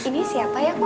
ini siapa ya pak